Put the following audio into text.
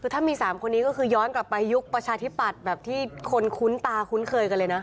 คือถ้ามี๓คนนี้ก็คือย้อนกลับไปยุคประชาธิปัตย์แบบที่คนคุ้นตาคุ้นเคยกันเลยนะ